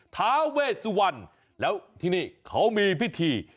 ภาวะสุวรรติแล้วที่นี่เขามีพิธี